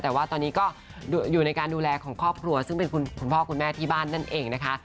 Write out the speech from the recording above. แต่ว่าตอนนี้ก็อยู่ในการดูแลของครอบครัวซึ่งเป็นคุณพ่อคุณแม่ที่บ้านนั่นเองนะคะ